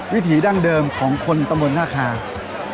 วิถีดั้งเดิมของคนตำรวจภาคศาสตร์